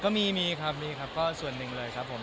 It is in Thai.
ก็มีมีครับมีครับก็ส่วนหนึ่งเลยครับผม